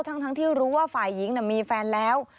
ทั้งที่รู้ว่าฝ่ายหญิงมีแฟนแล้ว